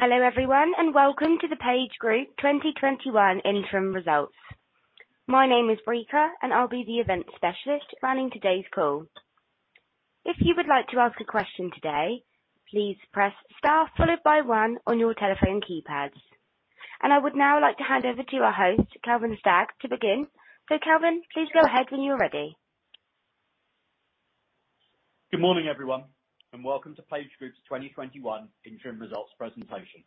Hello everyone, and welcome to the PageGroup 2021 Interim Results. My name is Rika, and I'll be the event specialist running today's call. If you would like to ask a question today, please press star followed by one on your telephone keypads. I would now like to hand over to our host, Kelvin Stagg, to begin. Kelvin, please go ahead when you're ready. Good morning, everyone. Welcome to PageGroup's 2021 Interim Results Presentation.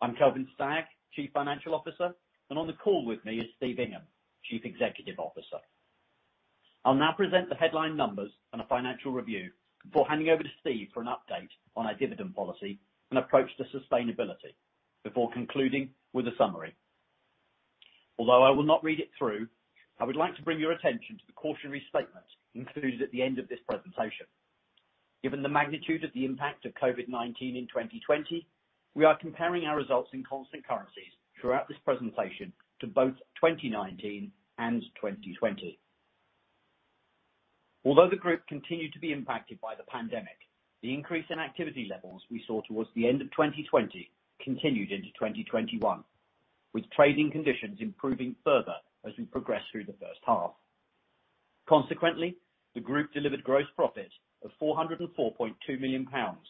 I'm Kelvin Stagg, Chief Financial Officer, and on the call with me is Steve Ingham, Chief Executive Officer. I'll now present the headline numbers and a financial review before handing over to Steve for an update on our dividend policy and approach to sustainability, before concluding with a summary. I will not read it through, I would like to bring your attention to the cautionary statement included at the end of this presentation. Given the magnitude of the impact of COVID-19 in 2020, we are comparing our results in constant currencies throughout this presentation to both 2019 and 2020. The Group continued to be impacted by the pandemic, the increase in activity levels we saw towards the end of 2020 continued into 2021, with trading conditions improving further as we progress through the first half. Consequently, the Group delivered gross profit of 404.2 million pounds,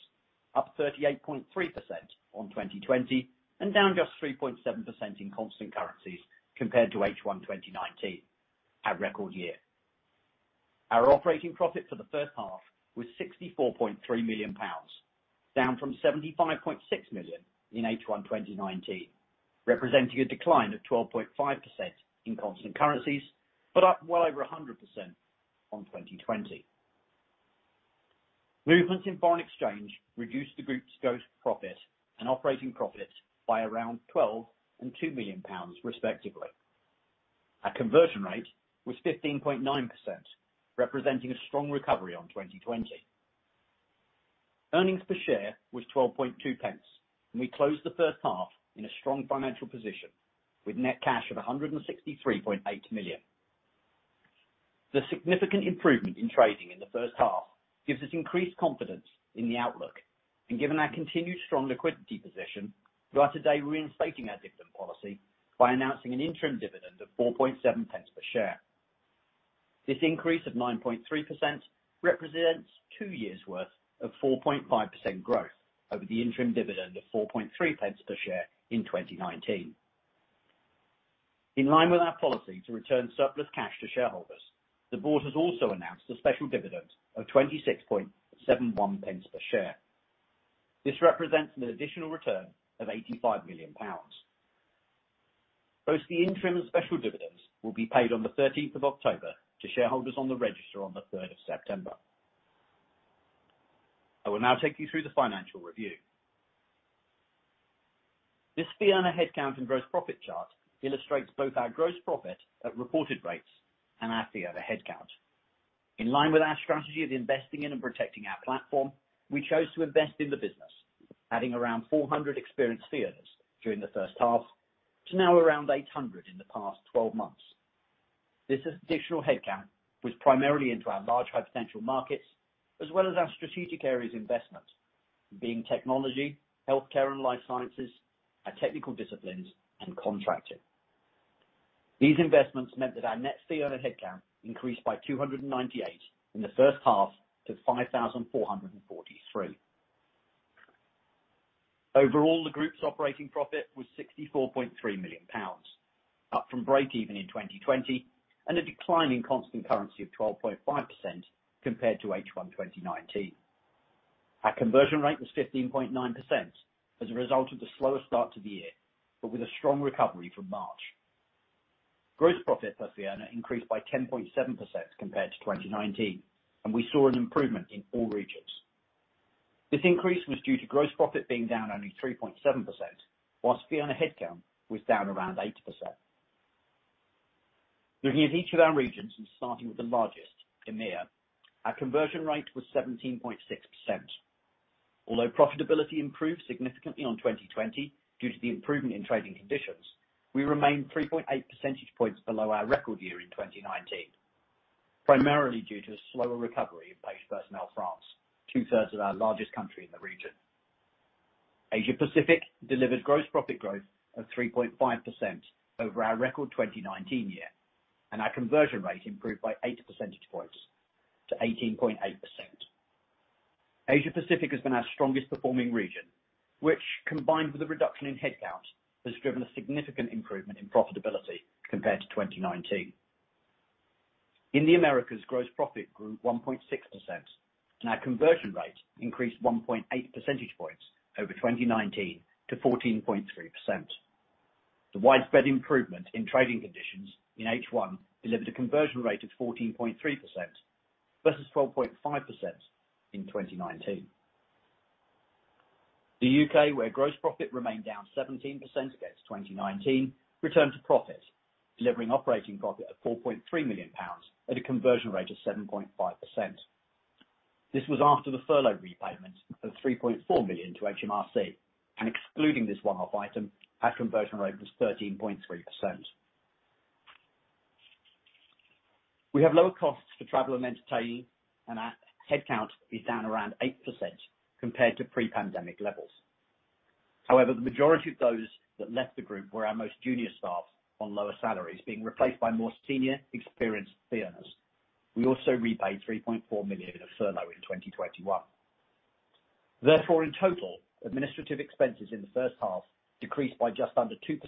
up 38.3% on 2020 and down just 3.7% in constant currencies compared to H1 2019, our record year. Our operating profit for the first half was 64.3 million pounds, down from 75.6 million in H1 2019, representing a decline of 12.5% in constant currencies, but up well over 100% on 2020. Movements in foreign exchange reduced the group's gross profit and operating profit by around 12 and 2 million pounds, respectively. Our conversion rate was 15.9%, representing a strong recovery on 2020. Earnings per share was 0.122, and we closed the first half in a strong financial position, with net cash of 163.8 million. The significant improvement in trading in the first half gives us increased confidence in the outlook. Given our continued strong liquidity position, we are today reinstating our dividend policy by announcing an interim dividend of 0.047 per share. This increase of 9.3% represents two years' worth of 4.5% growth over the interim dividend of 0.043 per share in 2019. In line with our policy to return surplus cash to shareholders, the board has also announced a special dividend of 0.2671 per share. This represents an additional return of 85 million pounds. Both the interim and special dividends will be paid on the 13th of October to shareholders on the register on the 3rd of September. I will now take you through the financial review. This fee earner headcount and gross profit chart illustrates both our gross profit at reported rates and our fee earner headcount. In line with our strategy of investing in and protecting our platform, we chose to invest in the business, adding around 400 experienced fee earners during the first half to now around 800 in the past 12 months. This additional headcount was primarily into our large high-potential markets as well as our strategic areas of investment, being technology, healthcare and life sciences, our technical disciplines, and contracting. These investments meant that our net fee earner headcount increased by 298 in the first half to 5,443. Overall, the Group's operating profit was 64.3 million pounds, up from breakeven in 2020 and a decline in constant currency of 12.5% compared to H1 2019. Our conversion rate was 15.9% as a result of the slower start to the year, but with a strong recovery from March. Gross profit per fee earner increased by 10.7% compared to 2019, and we saw an improvement in all regions. This increase was due to gross profit being down only 3.7%, while fee earner headcount was down around 8%. Looking at each of our regions and starting with the largest, EMEA, our conversion rate was 17.6%. Although profitability improved significantly on 2020 due to the improvement in trading conditions, we remain 3.8 percentage points below our record year in 2019, primarily due to a slower recovery of Page Personnel France, 2/3 of our largest country in the region. Asia Pacific delivered gross profit growth of 3.5% over our record 2019 year, our conversion rate improved by 8 percentage points to 18.8%. Asia Pacific has been our strongest performing region, which combined with a reduction in headcount, has driven a significant improvement in profitability compared to 2019. In the Americas, gross profit grew 1.6%, our conversion rate increased 1.8 percentage points over 2019 to 14.3%. The widespread improvement in trading conditions in H1 delivered a conversion rate of 14.3% versus 12.5% in 2019. The U.K., where gross profit remained down 17% against 2019, returned to profit, delivering operating profit of 4.3 million pounds at a conversion rate of 7.5%. This was after the furlough repayment of 3.4 million to HMRC, and excluding this one-off item, our conversion rate was 13.3%. We have lower costs for travel and entertaining, and our head count is down around 8% compared to pre-pandemic levels. However, the majority of those that left the group were our most junior staff on lower salaries, being replaced by more senior experienced fee earners. We also repaid 3.4 million of furlough in 2021. Therefore, in total, administrative expenses in the first half decreased by just under 2%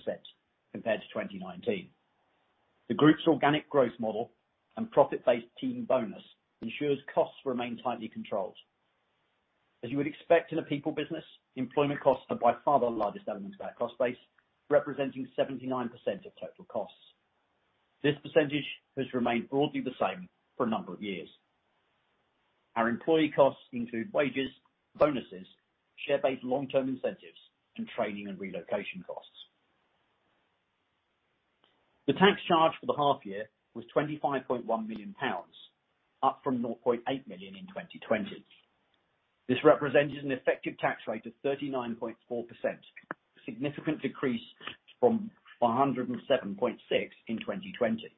compared to 2019. The group's organic growth model and profit-based team bonus ensures costs remain tightly controlled. As you would expect in a people business, employment costs are by far the largest element of our cost base, representing 79% of total costs. This percentage has remained broadly the same for a number of years. Our employee costs include wages, bonuses, share-based long-term incentives, and training and relocation costs. The tax charge for the half year was 25.1 million pounds, up from 0.8 million in 2020. This represented an effective tax rate of 39.4%, a significant decrease from 107.6% in 2020.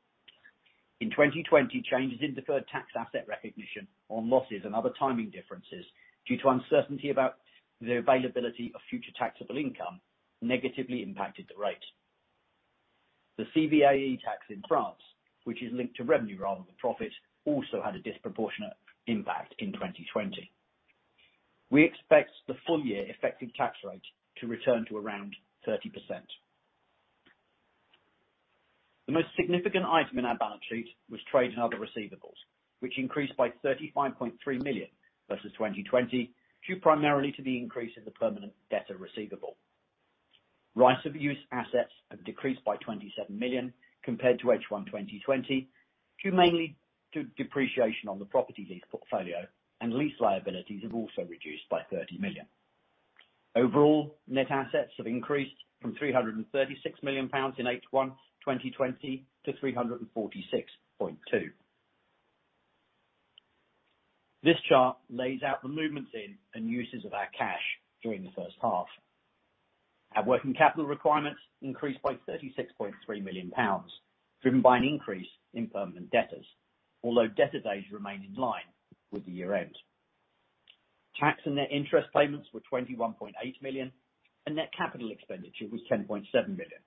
In 2020, changes in deferred tax asset recognition on losses and other timing differences due to uncertainty about the availability of future taxable income negatively impacted the rate. The CVAE tax in France, which is linked to revenue rather than profit, also had a disproportionate impact in 2020. We expect the full year effective tax rate to return to around 30%. The most significant item in our balance sheet was trade and other receivables, which increased by 35.3 million versus 2020, due primarily to the increase of the permanent debtor receivable. Right of use assets have decreased by 27 million compared to H1 2020, due mainly to depreciation on the property lease portfolio, and lease liabilities have also reduced by 30 million. Overall, net assets have increased from 336 million pounds in H1 2020 to 346.2 million. This chart lays out the movements in and uses of our cash during the first half. Our working capital requirements increased by 36.3 million pounds, driven by an increase in permanent debtors, although debtor days remain in line with the year end. Tax and net interest payments were 21.8 million, and net capital expenditure was 10.7 million,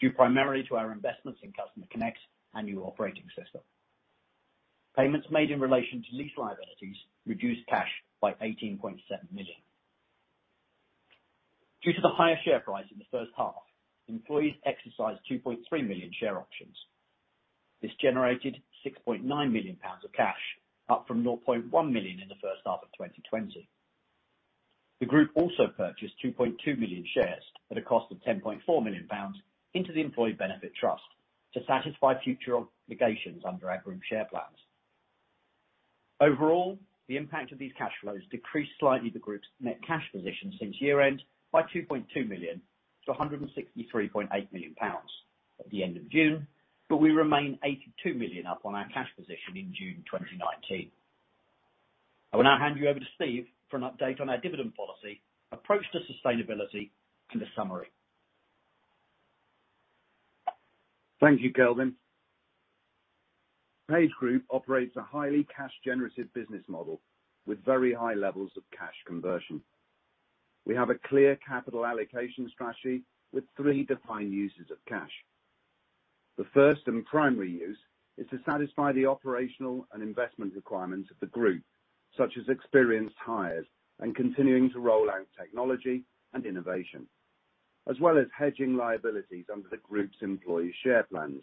due primarily to our investments in Customer Connect and new operating system. Payments made in relation to lease liabilities reduced cash by 18.7 million. Due to the higher share price in the first half, employees exercised 2.3 million share options. This generated 6.9 million pounds of cash, up from 0.1 million in the first half of 2020. The group also purchased 2.2 million shares at a cost of 10.4 million pounds into the employee benefit trust to satisfy future obligations under our group share plans. Overall, the impact of these cash flows decreased slightly the group's net cash position since year end by 2.2 million-163.8 million pounds at the end of June, but we remain 82 million up on our cash position in June 2019. I will now hand you over to Steve for an update on our dividend policy, approach to sustainability, and a summary. Thank you, Kelvin. PageGroup operates a highly cash-generative business model with very high levels of cash conversion. We have a clear capital allocation strategy with three defined uses of cash. The first and primary use is to satisfy the operational and investment requirements of the group, such as experienced hires and continuing to roll out technology and innovation, as well as hedging liabilities under the group's employee share plans.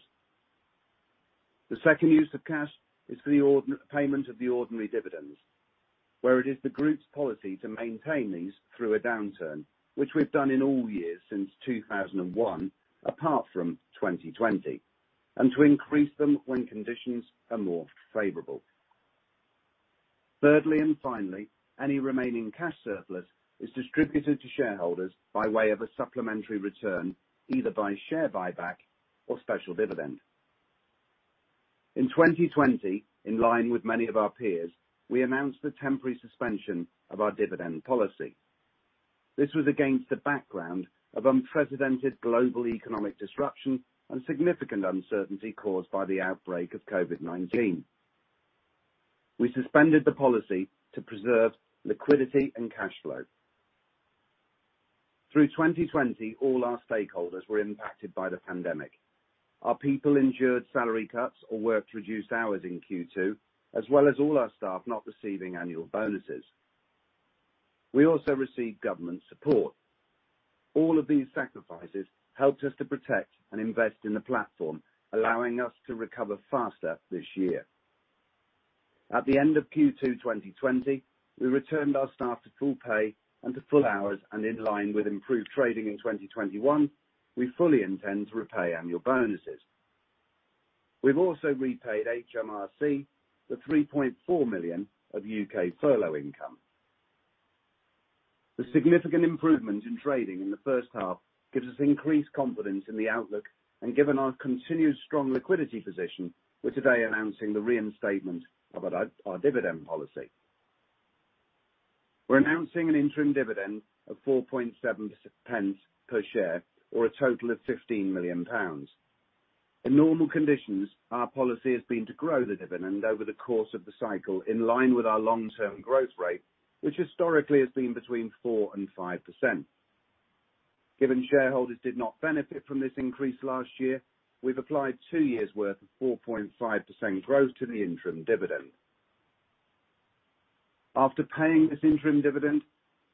The second use of cash is for the payment of the ordinary dividends, where it is the group's policy to maintain these through a downturn, which we've done in all years since 2001, apart from 2020, and to increase them when conditions are more favorable. Thirdly, and finally, any remaining cash surplus is distributed to shareholders by way of a supplementary return, either by share buyback or special dividend. In 2020, in line with many of our peers, we announced the temporary suspension of our dividend policy. This was against the background of unprecedented global economic disruption and significant uncertainty caused by the outbreak of COVID-19. We suspended the policy to preserve liquidity and cash flow. Through 2020, all our stakeholders were impacted by the pandemic. Our people endured salary cuts or worked reduced hours in Q2, as well as all our staff not receiving annual bonuses. We also received government support. All of these sacrifices helped us to protect and invest in the platform, allowing us to recover faster this year. At the end of Q2 2020, we returned our staff to full pay and to full hours, and in line with improved trading in 2021, we fully intend to repay annual bonuses. We've also repaid HMRC the 3.4 million of U.K. furlough income. The significant improvement in trading in the first half gives us increased confidence in the outlook, and given our continued strong liquidity position, we're today announcing the reinstatement of our dividend policy. We're announcing an interim dividend of 0.047 per share or a total of 15 million pounds. In normal conditions, our policy has been to grow the dividend over the course of the cycle in line with our long-term growth rate, which historically has been between 4% and 5%. Given shareholders did not benefit from this increase last year, we've applied two years' worth of 4.5% growth to the interim dividend. After paying this interim dividend,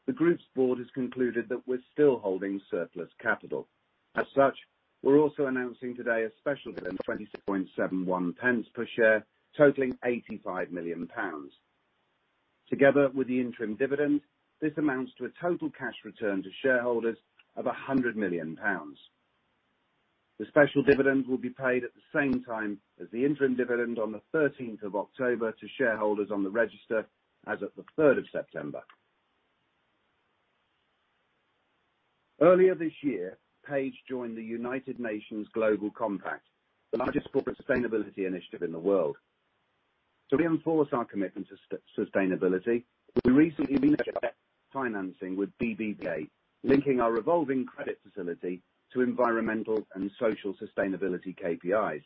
the group's board has concluded that we're still holding surplus capital. As such, we're also announcing today a special dividend of 0.2271 per share, totaling 85 million pounds. Together with the interim dividend, this amounts to a total cash return to shareholders of 100 million pounds. The special dividend will be paid at the same time as the interim dividend on the 13th of October to shareholders on the register as of the 3rd of September. Earlier this year, Page joined the United Nations Global Compact, the largest corporate sustainability initiative in the world. To reinforce our commitment to sustainability, we recently [reached out] financing with BBVA, linking our revolving credit facility to environmental and social sustainability KPIs.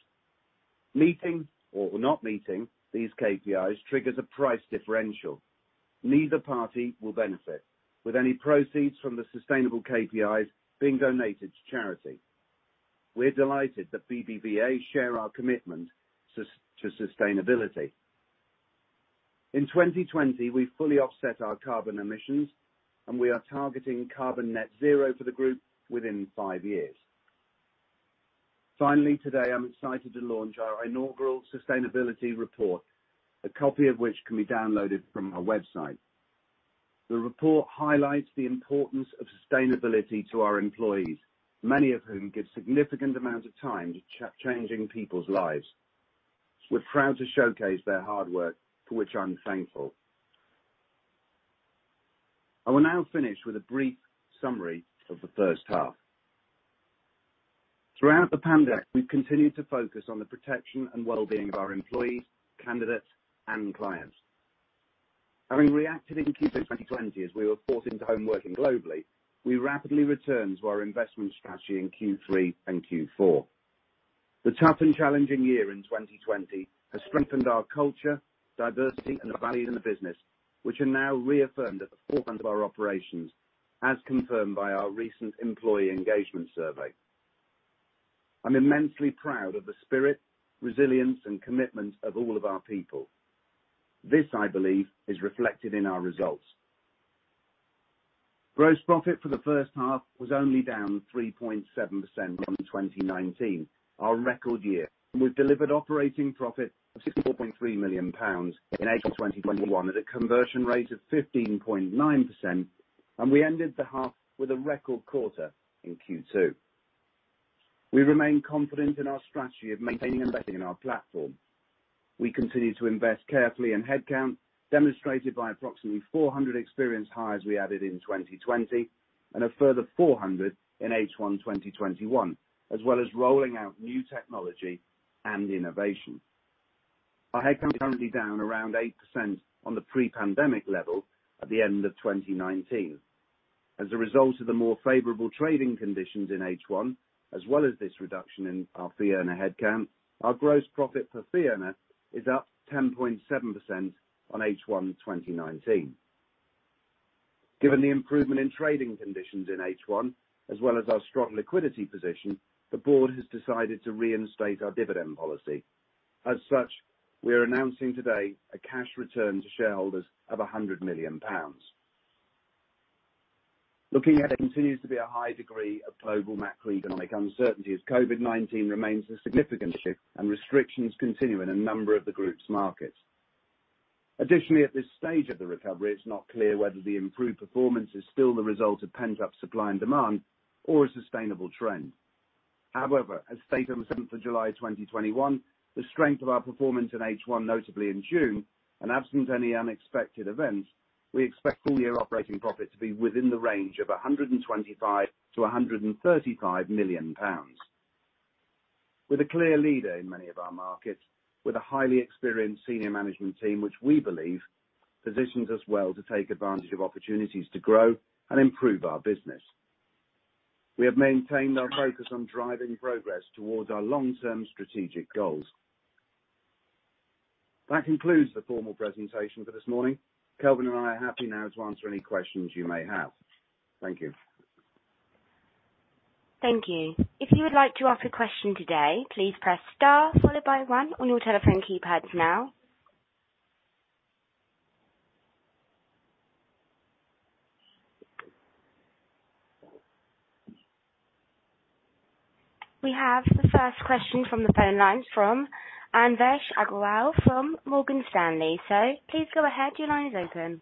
Meeting or not meeting these KPIs triggers a price differential. Neither party will benefit, with any proceeds from the sustainable KPIs being donated to charity. We're delighted that BBVA share our commitment to sustainability. In 2020, we fully offset our carbon emissions, and we are targeting carbon net zero for the group within five years. Finally, today I'm excited to launch our inaugural sustainability report, a copy of which can be downloaded from our website. The report highlights the importance of sustainability to our employees, many of whom give significant amounts of time to changing people's lives. We're proud to showcase their hard work, for which I'm thankful. I will now finish with a brief summary of the first half. Throughout the pandemic, we've continued to focus on the protection and well-being of our employees, candidates, and clients. Having reacted in Q2 2020 as we were forced into home working globally, we rapidly returned to our investment strategy in Q3 and Q4. The tough and challenging year in 2020 has strengthened our culture, diversity, and the values in the business, which are now reaffirmed at the forefront of our operations, as confirmed by our recent employee engagement survey. I'm immensely proud of the spirit, resilience, and commitment of all of our people. This, I believe, is reflected in our results. Gross profit for the first half was only down 3.7% on 2019, our record year, and we've delivered operating profit of 64.3 million pounds in H1 2021 at a conversion rate of 15.9%, and we ended the half with a record quarter in Q2. We remain confident in our strategy of maintaining and vetting on our platform. We continue to invest carefully in headcount, demonstrated by approximately 400 experienced hires we added in 2020 and a further 400 in H1 2021, as well as rolling out new technology and innovation. Our headcount is currently down around 8% on the pre-pandemic level at the end of 2019. As a result of the more favorable trading conditions in H1, as well as this reduction in our fee earner headcount, our gross profit per fee earner is up 10.7% on H1 2019. Given the improvement in trading conditions in H1, as well as our strong liquidity position, the board has decided to reinstate our dividend policy. As such, we are announcing today a cash return to shareholders of 100 million pounds. Looking ahead, there continues to be a high degree of global macroeconomic uncertainty as COVID-19 remains a significant issue and restrictions continue in a number of the group's markets. Additionally, at this stage of the recovery, it's not clear whether the improved performance is still the result of pent-up supply and demand or a sustainable trend. However, as stated on the 7th of July 2021, the strength of our performance in H1, notably in June, and absent any unexpected events, we expect full-year operating profit to be within the range of 125 million-135 million pounds. We are the clear leader in many of our markets, with a highly experienced senior management team which we believe positions us well to take advantage of opportunities to grow and improve our business. We have maintained our focus on driving progress towards our long-term strategic goals. That concludes the formal presentation for this morning. Kelvin and I are happy now to answer any questions you may have. Thank you. Thank you. If you would like to ask a question today, please press star followed by one on your telephone keypads now. We have the first question from the phone lines from Anvesh Agrawal from Morgan Stanley. Please go ahead. Your line is open.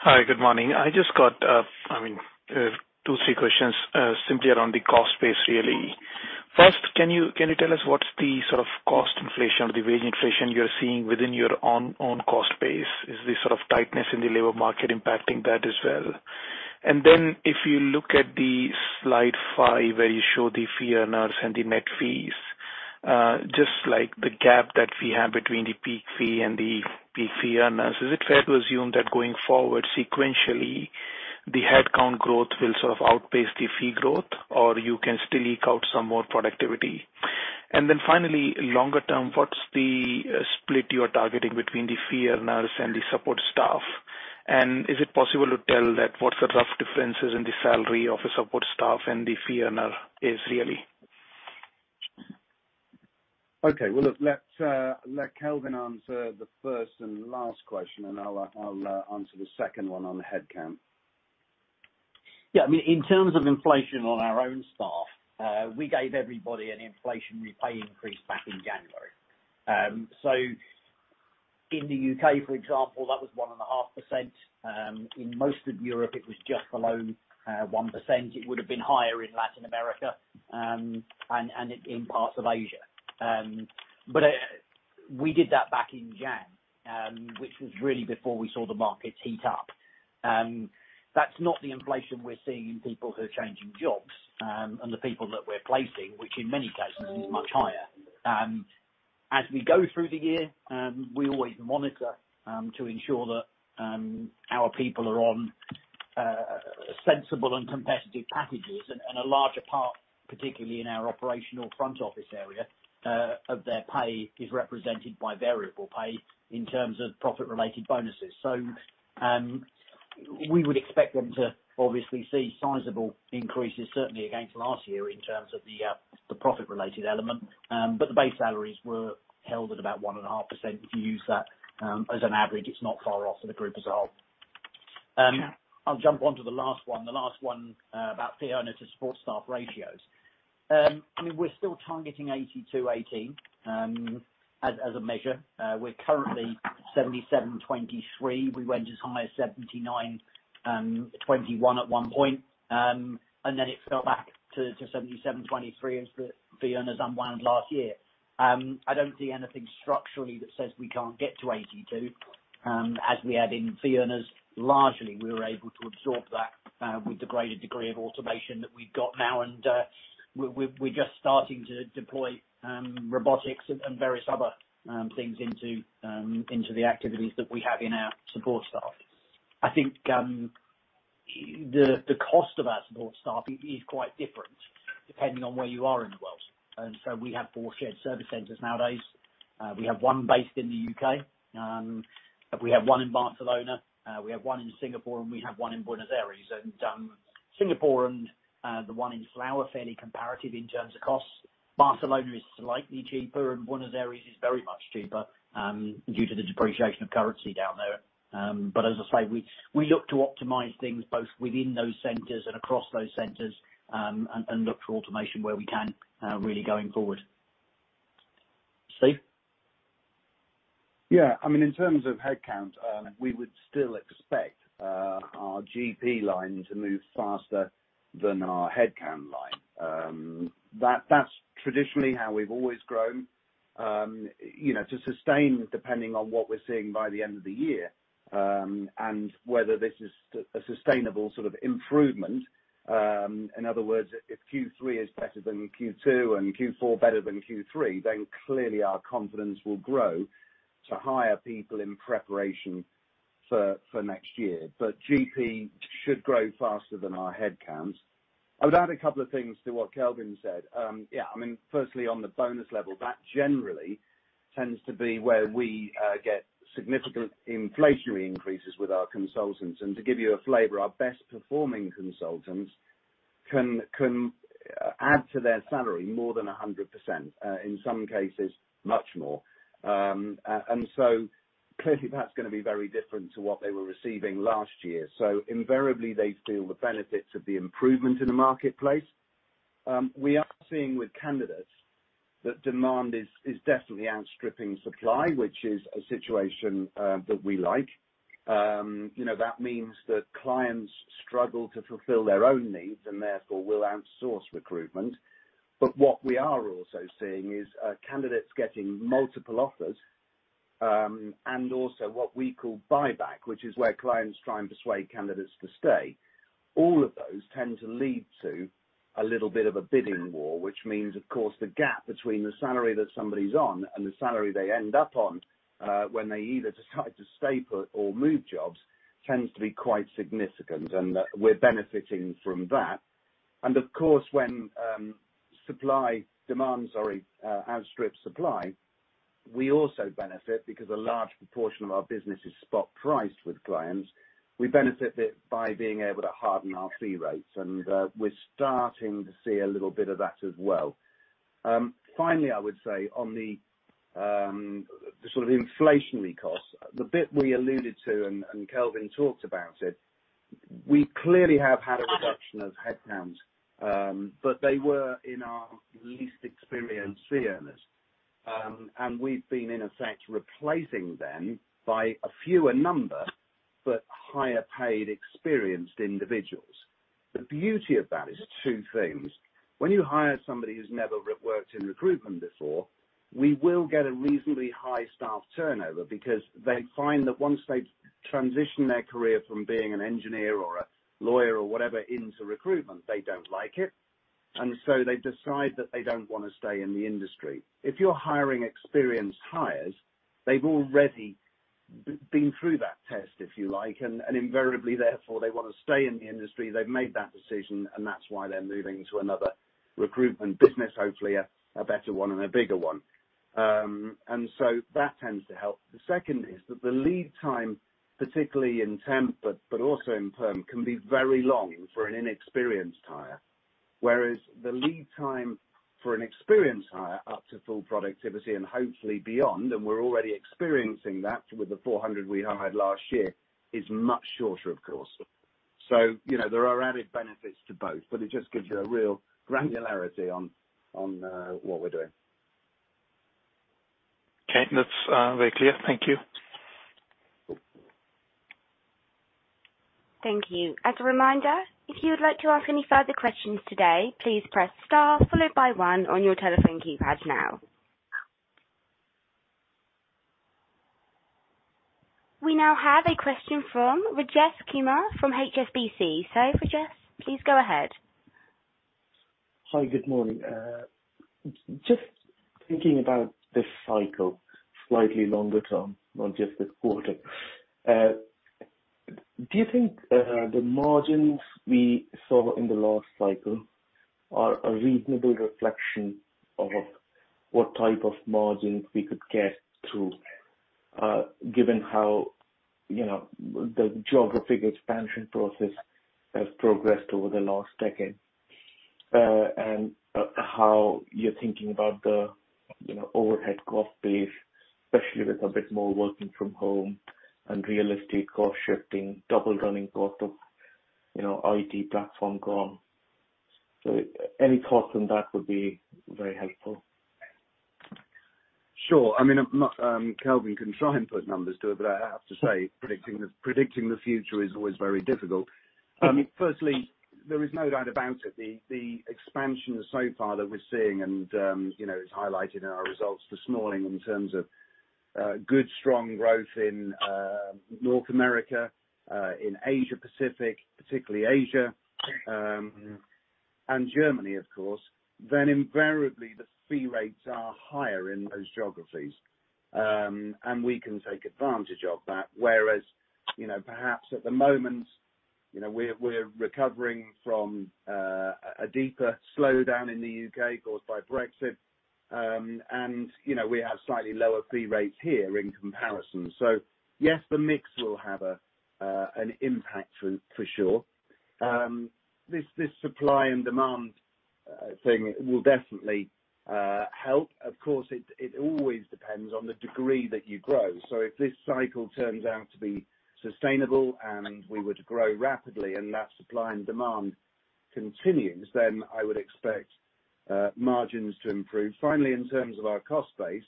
Hi. Good morning. I just got two or three questions simply around the cost base really. First, can you tell us what's the sort of cost inflation or the wage inflation you're seeing within your own cost base? Is the sort of tightness in the labor market impacting that as well? If you look at the slide five where you show the fee earners and the net fees. Just like the gap that we have between the fee and the fee earners, is it fair to assume that going forward sequentially, the headcount growth will sort of outpace the fee growth or you can still eke out some more productivity? Then finally, longer term, what's the split you are targeting between the fee earners and the support staff? Is it possible to tell that what's the rough differences in the salary of a support staff and the fee earner is really? Okay. Well, let Kelvin answer the first and last question, and I'll answer the second one on headcount. In terms of inflation on our own staff, we gave everybody an inflation pay increase back in January. In the U.K., for example, that was 1.5%. In most of Europe, it was just below 1%. It would have been higher in Latin America, and in parts of Asia. We did that back in Jan, which was really before we saw the markets heat up. That's not the inflation we're seeing in people who are changing jobs, and the people that we're placing, which in many cases is much higher. As we go through the year, we always monitor to ensure that our people are on sensible and competitive packages, and a larger part, particularly in our operational front office area, of their pay is represented by variable pay in terms of profit-related bonuses. We would expect them to obviously see sizable increases, certainly against last year in terms of the profit-related element. The base salaries were held at about 1.5%. If you use that as an average, it's not far off for the group as a whole. Yeah. I'll jump onto the last one. The last one about fee earner to support staff ratios. We're still targeting 82%, 18% as a measure. We're currently 77%, 23%. We went as high as 79% and 21% at one point, and then it fell back to 77%, 23% as the fee earners unwound last year. I don't see anything structurally that says we can't get to 82%. As we add in fee earners, largely, we were able to absorb that with the greater degree of automation that we've got now. We're just starting to deploy robotics and various other things into the activities that we have in our support staff. I think the cost of our support staff is quite different depending on where you are in the world. We have four shared service centers nowadays. We have one based in the U.K., we have one in Barcelona, we have one in Singapore, and we have one in Buenos Aires. Singapore and the one in Florida are fairly comparative in terms of costs. Barcelona is slightly cheaper, Buenos Aires is very much cheaper due to the depreciation of currency down there. As I say, we look to optimize things both within those centers and across those centers, and look for automation where we can really going forward. Steve? Yeah. In terms of headcount, we would still expect our GP line to move faster than our headcount line. That's traditionally how we've always grown. To sustain, depending on what we're seeing by the end of the year, and whether this is a sustainable sort of improvement. In other words, if Q3 is better than Q2 and Q4 better than Q3, clearly our confidence will grow to hire people in preparation for next year. GP should grow faster than our headcounts. I would add a couple of things to what Kelvin said. Firstly, on the bonus level, that generally tends to be where we get significant inflationary increases with our consultants. To give you a flavor, our best performing consultants can add to their salary more than 100%, in some cases, much more. Clearly that's going to be very different to what they were receiving last year. Invariably, they feel the benefits of the improvement in the marketplace. We are seeing with candidates that demand is definitely outstripping supply, which is a situation that we like. That means that clients struggle to fulfill their own needs and therefore will outsource recruitment. What we are also seeing is candidates getting multiple offers, and also what we call buyback, which is where clients try and persuade candidates to stay. All of those tend to lead to a little bit of a bidding war, which means, of course, the gap between the salary that somebody's on and the salary they end up on, when they either decide to stay put or move jobs, tends to be quite significant. We're benefiting from that. Of course, when supply Demand, sorry, outstrips supply, we also benefit because a large proportion of our business is spot priced with clients. We benefit by being able to harden our fee rates, and we're starting to see a little bit of that as well. Finally, I would say on the sort of inflationary cost, the bit we alluded to and Kelvin talked about it, we clearly have had a reduction of headcounts, but they were in our least experienced fee earners. We've been, in effect, replacing them by a fewer number, but higher paid, experienced individuals. The beauty of that is two things. When you hire somebody who's never worked in recruitment before, we will get a reasonably high staff turnover because they find that once they transition their career from being an engineer or a lawyer or whatever into recruitment, they don't like it, and so they decide that they don't want to stay in the industry. If you're hiring experienced hires, they've already been through that test, if you like, and invariably, therefore, they want to stay in the industry. They've made that decision, and that's why they're moving to another recruitment business, hopefully a better one and a bigger one. That tends to help. The second is that the lead time, particularly in temp, but also in perm, can be very long for an inexperienced hire, whereas the lead time for an experienced hire up to full productivity and hopefully beyond, and we're already experiencing that with the 400 we hired last year, is much shorter, of course. There are added benefits to both, but it just gives you a real granularity on what we're doing. Okay. That's very clear. Thank you. Thank you. As a reminder, if you would like to ask any further questions today, please press star followed by one on your telephone keypad now. We now have a question from Rajesh Kumar from HSBC. Rajesh, please go ahead. Hi. Good morning. Just thinking about this cycle slightly longer term, not just this quarter. Do you think the margins we saw in the last cycle are a reasonable reflection of what type of margins we could get through given how the geographic expansion process has progressed over the last decade, and how you're thinking about the overhead cost base, especially with a bit more working from home and real estate cost shifting, double running cost of IT platform gone. Any thoughts on that would be very helpful. Sure. Kelvin can try and put numbers to it, but I have to say, predicting the future is always very difficult. Okay. Firstly, there is no doubt about it. The expansion so far that we're seeing, and is highlighted in our results this morning in terms of good, strong growth in North America, in Asia Pacific, particularly Asia, and Germany, of course, invariably the fee rates are higher in those geographies. We can take advantage of that, whereas perhaps at the moment, we're recovering from a deeper slowdown in the U.K. caused by Brexit. We have slightly lower fee rates here in comparison. Yes, the mix will have an impact for sure. This supply and demand thing will definitely help. Of course, it always depends on the degree that you grow. If this cycle turns out to be sustainable and we were to grow rapidly and that supply and demand continues, I would expect margins to improve. Finally, in terms of our cost base,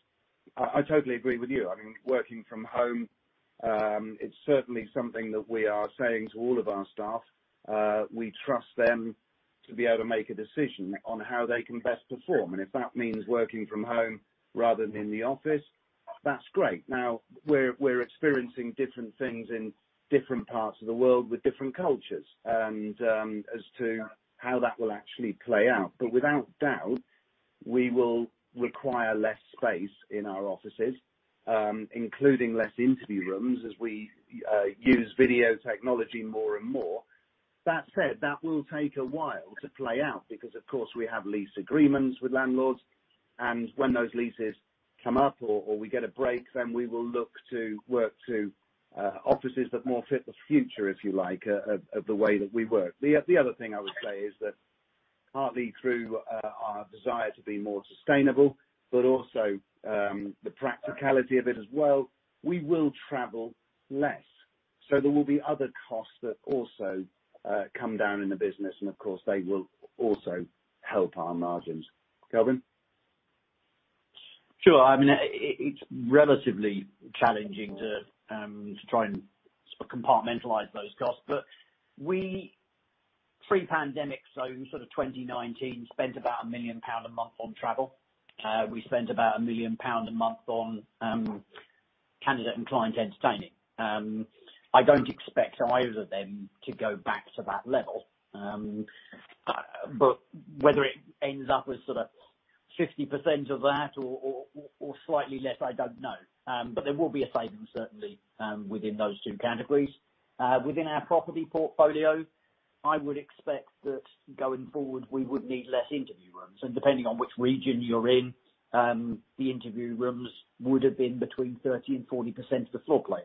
I totally agree with you. Working from home, it's certainly something that we are saying to all of our staff. We trust them to be able to make a decision on how they can best perform. If that means working from home rather than in the office, that's great. Now, we're experiencing different things in different parts of the world with different cultures, and as to how that will actually play out. Without doubt, we will require less space in our offices, including less interview rooms, as we use video technology more and more. That said, that will take a while to play out because, of course, we have lease agreements with landlords, and when those leases come up or we get a break, then we will look to work to offices that more fit the future, if you like, of the way that we work. The other thing I would say is that partly through our desire to be more sustainable, but also the practicality of it as well, we will travel less. There will be other costs that also come down in the business, and of course, they will also help our margins. Kelvin? Sure. It's relatively challenging to try and compartmentalize those costs. We, pre-pandemic, so 2019, spent about 1 million pound a month on travel. We spent about 1 million pound a month on candidate and client entertaining. I don't expect either of them to go back to that level. Whether it ends up as sort of 50% of that or slightly less, I don't know. There will be a saving certainly within those two categories. Within our property portfolio, I would expect that going forward, we would need less interview rooms. Depending on which region you're in, the interview rooms would have been between 30% and 40% of the floor plate.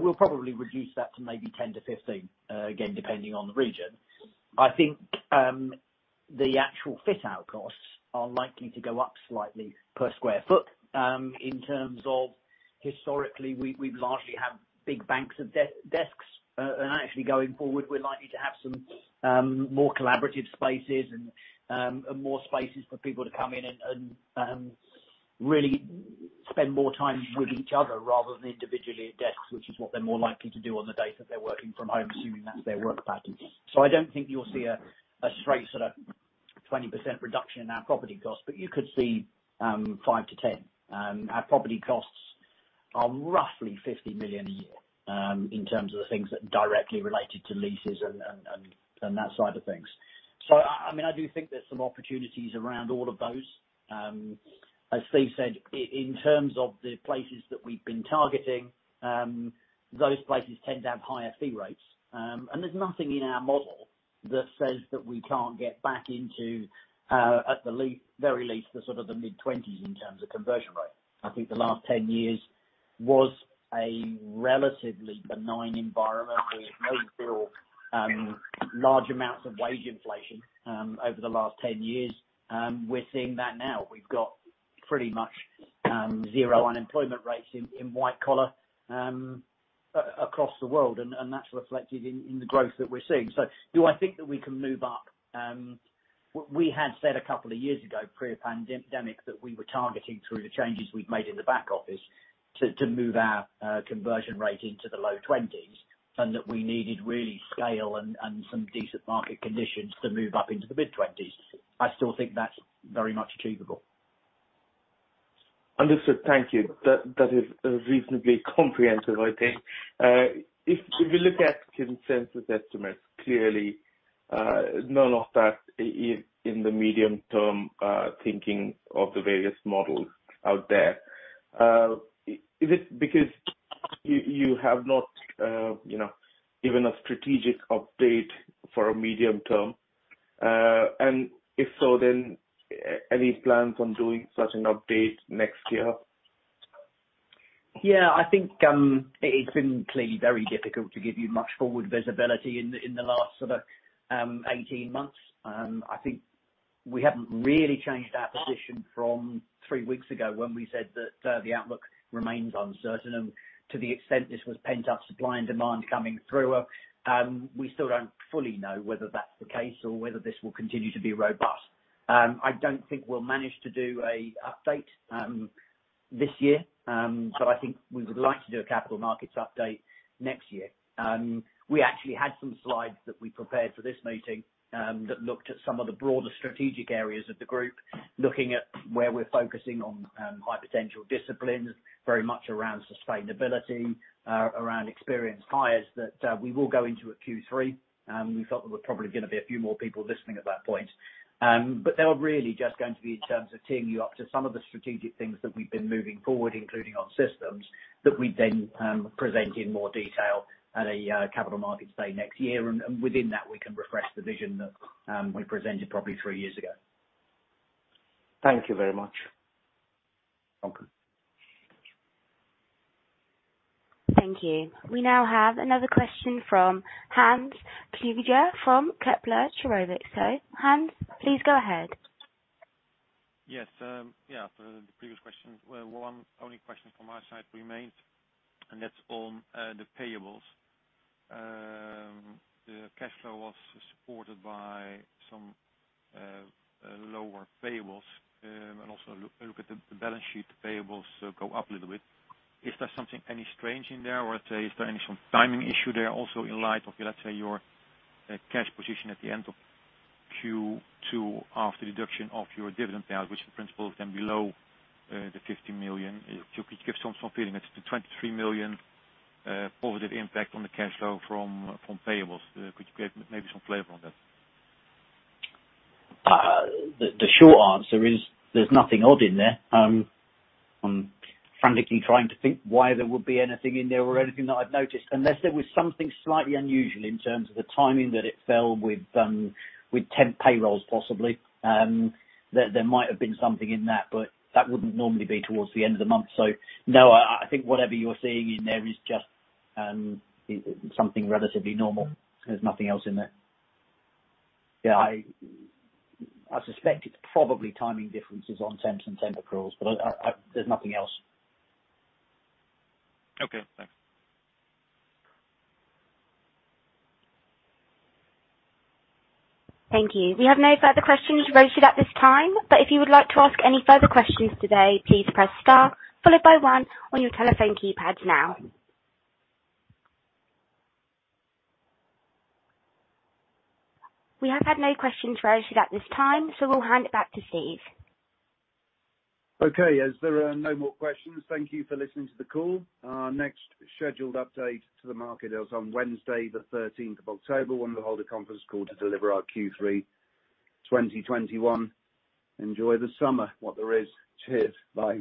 We'll probably reduce that to maybe 10%-15%, again, depending on the region. I think the actual fit-out costs are likely to go up slightly per sq ft, in terms of historically, we've largely had big banks of desks. Actually going forward, we're likely to have some more collaborative spaces and more spaces for people to come in and really spend more time with each other rather than individually at desks, which is what they're more likely to do on the days that they're working from home, assuming that's their work pattern. I don't think you'll see a straight sort of 20% reduction in our property costs, but you could see 5%-10%. Our property costs are roughly 50 million a year, in terms of the things that directly related to leases and that side of things. I do think there's some opportunities around all of those. As Steve said, in terms of the places that we've been targeting, those places tend to have higher fee rates. There's nothing in our model that says that we can't get back into, at the very least, the sort of the mid-20%s in terms of conversion rate. I think the last 10 years was a relatively benign environment where we've made through large amounts of wage inflation, over the last 10 years. We're seeing that now. We've got pretty much zero unemployment rates in white collar across the world, and that's reflected in the growth that we're seeing. Do I think that we can move up? We had said a couple of years ago, pre-pandemic, that we were targeting through the changes we'd made in the back office to move our conversion rate into the low 20%s, and that we needed really scale and some decent market conditions to move up into the mid-20%s. I still think that's very much achievable. Understood. Thank you. That is reasonably comprehensive, I think. If we look at consensus estimates, clearly, none of that is in the medium-term thinking of the various models out there. Is it because you have not given a strategic update for a medium-term? If so, then any plans on doing such an update next year? Yeah, I think it's been clearly very difficult to give you much forward visibility in the last sort of 18 months. I think we haven't really changed our position from three weeks ago when we said that the outlook remains uncertain. To the extent this was pent-up supply and demand coming through, we still don't fully know whether that's the case or whether this will continue to be robust. I don't think we'll manage to do an update this year. I think we would like to do a capital markets update next year. We actually had some slides that we prepared for this meeting that looked at some of the broader strategic areas of the group, looking at where we're focusing on high-potential disciplines, very much around sustainability, around experienced hires that we will go into at Q3. We felt there were probably going to be a few more people listening at that point. They were really just going to be in terms of teeing you up to some of the strategic things that we've been moving forward, including on systems, that we then present in more detail at a capital markets day next year. Within that, we can refresh the vision that we presented probably three years ago. Thank you very much. Over. Thank you. We now have another question from Hans Pluijgers from Kepler Cheuvreux. Hans, please go ahead. Yes. After the previous question, well, one only question from our side remains, and that's on the payables. The cash flow was supported by some lower payables. Also look at the balance sheet payables go up a little bit. Is there something any strange in there, or is there any some timing issue there also in light of, let's say, your cash position at the end of Q2 after deduction of your dividend payout, which in principle can be low, the 50 million? Could you give some feeling as to 23 million positive impact on the cash flow from payables? Could you give maybe some flavor on that? The short answer is there's nothing odd in there. I'm frantically trying to think why there would be anything in there or anything that I've noticed, unless there was something slightly unusual in terms of the timing that it fell with temp payrolls, possibly. There might have been something in that, but that wouldn't normally be towards the end of the month. No, I think whatever you're seeing in there is just something relatively normal. There's nothing else in there. Yeah, I suspect it's probably timing differences on temps and temp approvals, but there's nothing else. Okay, thanks. Thank you. We have no further questions raised at this time. If you would like to ask any further questions today, please press star followed by one on your telephone keypad now. We have had no questions raised at this time, we'll hand it back to Steve. Okay, as there are no more questions. Thank you for listening to the call. Our next scheduled update to the market is on Wednesday the 13th of October when we hold a conference call to deliver our Q3 2021. Enjoy the summer, what there is. Cheers. Bye